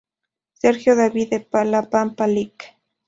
Sergio David de la Pampa; Lic.